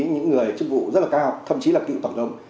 những người chức vụ rất là cao thậm chí là cựu tổng thống